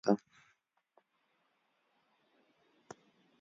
ډګروال خپله چپنه وباسله او یوې خوا ته یې کېښوده